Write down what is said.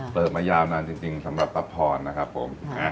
มายาวนานจริงสำหรับป้าพรนะครับผม